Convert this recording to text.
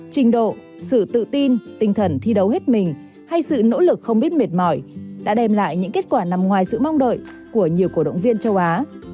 trình độ sự tự tin tinh thần thi đấu hết mình hay sự nỗ lực không biết mệt mỏi đã đem lại những kết quả nằm ngoài sự mong đợi của nhiều cổ động viên châu á